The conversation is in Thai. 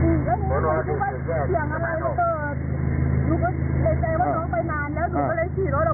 หนูก็เลยขี่รถออกมาดู